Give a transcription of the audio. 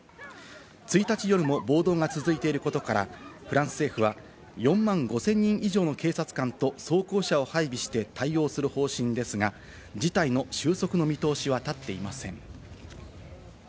１日夜も暴動が続いていることから、フランス政府は４万５０００人以上の警察官と装甲車を配備して対応する方針ですが、事態の収束の見通しは立っていません。